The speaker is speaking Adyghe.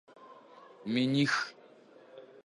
Миних.